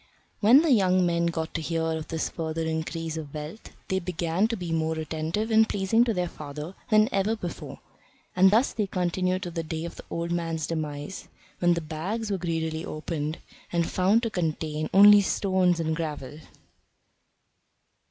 When the young men got to hear of this further increase of wealth they began to be more attentive and pleasing to their father than ever before. And thus they continued to the day of the old man's demise, when the bags were greedily opened, and found to contain only stones and gravel!